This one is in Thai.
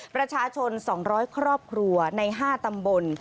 ประชาชน๒๐๐ครอบครัวใน๕ตำบล